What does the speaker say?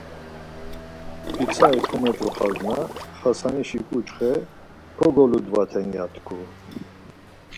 pitsari komet̆roxas na Xasanişi ǩuçxe kogoludvaten ya tku.